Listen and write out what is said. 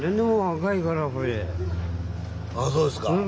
あそうですか。